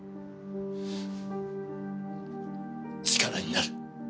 力になる。